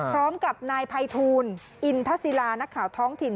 พร้อมกับนายภัยทูลอินทศิลานักข่าวท้องถิ่น